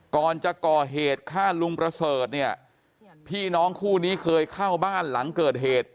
ก่อนจะก่อเหตุฆ่าลุงประเสริฐเนี่ยพี่น้องคู่นี้เคยเข้าบ้านหลังเกิดเหตุ